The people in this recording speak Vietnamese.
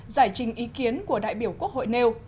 giải trình ý kiến của đại biểu quốc hội